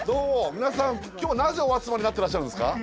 皆さん今日はなぜお集まりになってらっしゃるんですか？